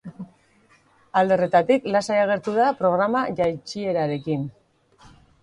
Alde horretatik, lasai agertu da programa jaitsierarekin.